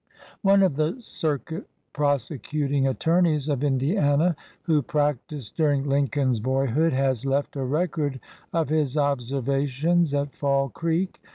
One of the circuit prosecuting attorneys of Indiana who practised during Lincoln's boyhood has left a record of his observations at Fall Creek.